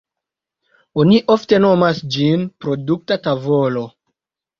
Oni ofte nomas ĝin produkta tavolo.